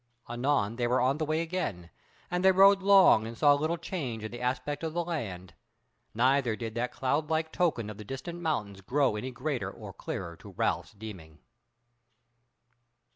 Anon they were on the way again, and they rode long and saw little change in the aspect of the land, neither did that cloudlike token of the distant mountains grow any greater or clearer to Ralph's deeming.